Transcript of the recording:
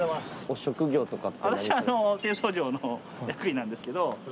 私あの製造業の役員なんですけど。